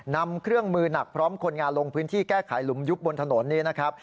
นำเครื่องมือหนักพร้อมคนงานลงพื้นที่แก้ไขหลุมยุบบนถนนนี้นะครับ